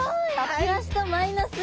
プラスとマイナスが。